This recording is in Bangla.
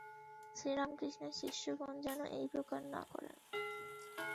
শ্রীরামকৃষ্ণের শিষ্যগণ যেন এই প্রকার না করেন।